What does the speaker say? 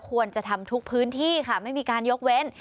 ควรจะทำทุกพื้นที่ค่ะไม่มีการยกเว้น